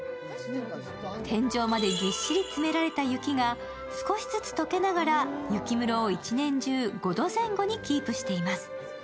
天井までぎっしり詰められた雪が少しずつ溶けながら雪室を１年中、５度前後にキープしています。